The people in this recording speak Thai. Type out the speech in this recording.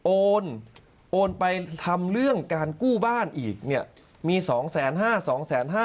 โอนไปทำเรื่องการกู้บ้านอีกเนี่ยมี๒แสน๕๒แสน๕